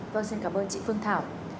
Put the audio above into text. vâng xin cảm ơn chị phương thảo